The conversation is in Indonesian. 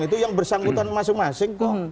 itu yang bersangkutan masing masing kok